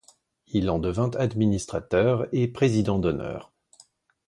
Il en devient administrateur et président d'honneur.